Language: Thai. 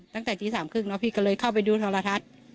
ตั้งแต่จีนสามครึ่งเนอะพี่ก็เลยเข้าไปดูทรทัศน์